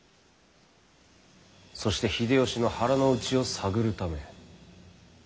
そして秀吉の腹の内を探るため。